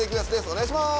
お願いします！